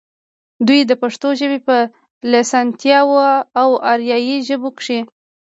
دوي د پښتو ژبې پۀ لسانياتو او اريائي ژبو کښې